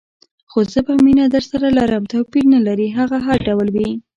خو زه به مینه درسره لرم، توپیر نه لري هغه هر ډول وي.